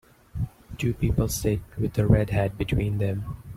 Two people sit with a red hat between them.